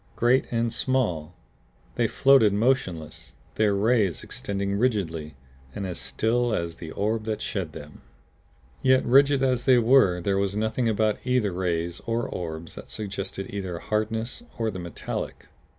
Great and small, they floated motionless, their rays extending rigidly and as still as the orb that shed them. Yet rigid as they were there was nothing about either rays or orbs that suggested either hardness or the metallic.